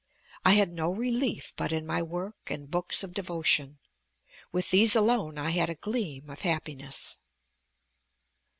I had no relief but in my work and books of devotion; with these alone I had a gleam of happiness.